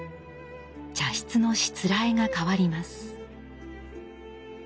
茶室のしつらえが変わります。